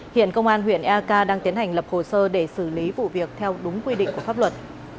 hiện công an huyện eak đang tiến hành lập hồ sơ để xử lý vụ việc theo đúng quy định của pháp luật